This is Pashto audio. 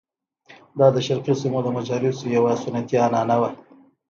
دا د شرقي سیمو د مجالسو یوه سنتي عنعنه وه.